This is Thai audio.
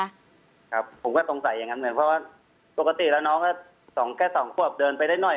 ครับผมก็ตรงใส่อย่างนั้นเพราะว่าปกติแล้วน้องก็๒แก้๒ควบเดินไปได้หน่อย